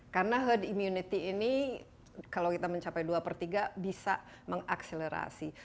karena herd immunity ini kalau kita mencapai dua per tiga bisa mengakselerasi